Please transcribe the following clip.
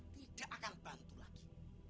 tidak akan bantu lagi